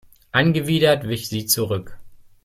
Angewidert wich sie zurück.